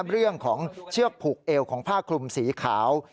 เรื่องของเชือกผูกเอวของผ้าคลุมสีขาว